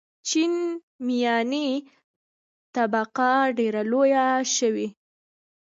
چین میاني طبقه ډېره لویه شوې.